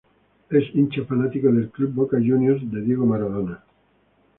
Es hincha fanático del club Boca Juniors por Diego Maradona